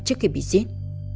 trước khi bị giết